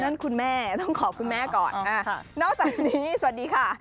นั่นคุณแม่ต้องขอคุณแม่ก่อนนอกจากนี้สวัสดีค่ะ